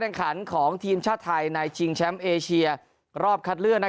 ขันของทีมชาติไทยในชิงแชมป์เอเชียรอบคัดเลือก